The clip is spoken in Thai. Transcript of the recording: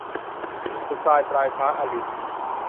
สุดทราย ปลายฟ้า - อลินน์